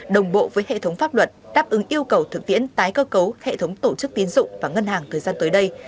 đồng bộ với hệ thống pháp luật đáp ứng yêu cầu thực tiễn tái cơ cấu hệ thống tổ chức tiến dụng và ngân hàng thời gian tới đây